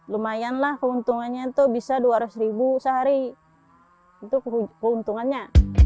lumayan lah keuntungannya tuh bisa rp dua ratus sehari itu keuntungannya